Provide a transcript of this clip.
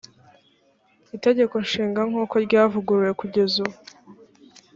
itegeko nshinga nk’uko ryavuguruwe kugeza ubu